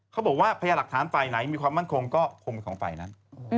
พยานหลักฐานฝ่ายไหนมีความมั่นคงก็คงเป็นของฝ่ายนั้น